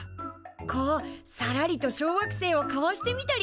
こうさらりと小惑星をかわしてみたりして。